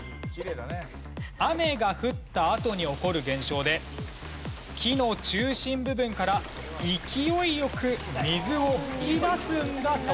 雨が降ったあとに起こる現象で木の中心部分から勢いよく水を噴き出すんだそうです。